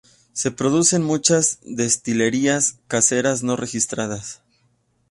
Se produce en muchas destilerías caseras no registradas.